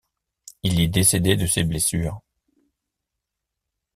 Il est décédé de ses blessures.